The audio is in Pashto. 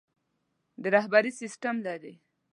د رهبري سسټم لري.